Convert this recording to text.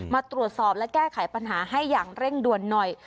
มาตรวจสอบและแก้ไขปัญหาให้อย่างเร่งด่วนหน่อย